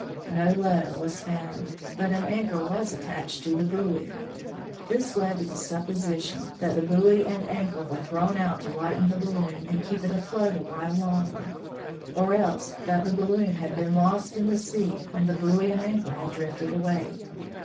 No letter was found, but an anchor was attached to the buoy. This led to the supposition that the buoy and anchor were thrown out to lighten the balloon and keep it afloat a while longer, or else that the balloon had been lost in the sea and the buoy and anchor had drifted away.